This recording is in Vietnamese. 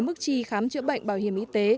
bộ trí khám chữa bệnh bảo hiểm y tế